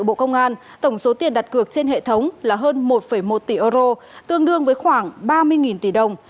bộ công an tổng số tiền đặt cược trên hệ thống là hơn một một tỷ euro tương đương với khoảng ba mươi tỷ đồng